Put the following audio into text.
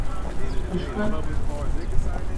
Fışşxet!